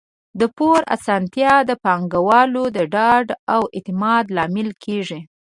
د پور اسانتیا د پانګوالو د ډاډ او اعتماد لامل کیږي.